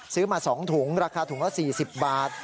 ซื้อมา๒ถุงราคาถุงละ๔๐บาท